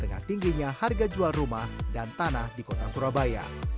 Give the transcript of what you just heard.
di tengah tingginya harga jual rumah dan tanah di kota surabaya